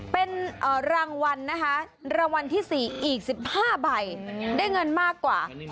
เป็นรางวรรณรางวรรณที่๔อีก๑๕ใบได้เงินมากกว่า